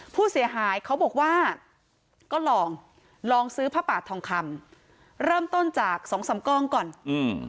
ผู้เสียหายเขาบอกว่าก็ลองลองซื้อผ้าป่าทองคำเริ่มต้นจากสองสามกองก่อนอืม